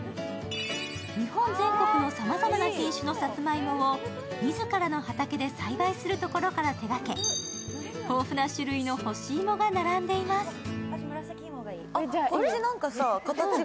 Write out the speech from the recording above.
日本全国のさまざまな品種のさつまいもをみずからの畑で栽培するところから手がけ豊富な種類の干しいもが並んでいます。